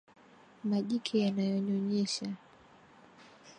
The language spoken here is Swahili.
majike yanayonyonyesha